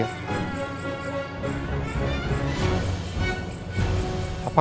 apa bisingnya kamu siap graciasnya apa